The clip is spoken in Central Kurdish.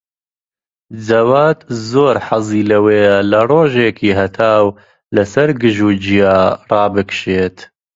جەواد زۆر حەزی لەوەیە لە ڕۆژێکی هەتاو لەسەر گژوگیا ڕابکشێت.